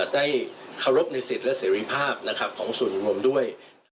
ได้เคารพในสิทธิ์และเสรีภาพของส่วนรวมด้วย